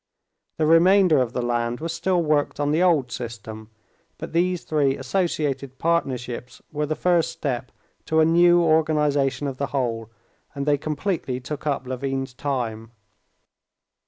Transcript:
The remainder of the land was still worked on the old system, but these three associated partnerships were the first step to a new organization of the whole, and they completely took up Levin's time.